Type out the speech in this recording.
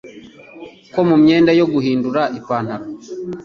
Ko mu myenda yaguhindura, ipantaro